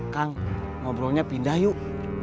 kang ngobrolnya pindah yuk